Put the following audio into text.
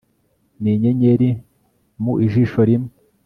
ninyenyeri mu jisho rimwe